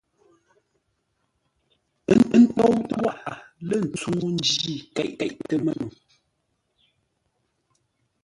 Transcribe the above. Ə́ tóutə́ wághʼə lə́ ntsúŋú ńjí nkéʼtə́ mə́no.